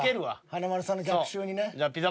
華丸さんの逆襲にね。